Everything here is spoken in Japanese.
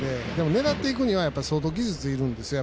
狙っていくには相当技術いるんです。